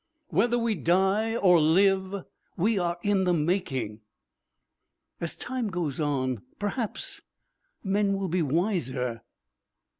Whether we die or live, we are in the making.... "As time goes on perhaps men will be wiser....